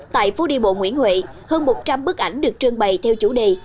tại phố đi bộ nguyễn huệ hơn một trăm linh bức ảnh được trưng bày theo chủ đề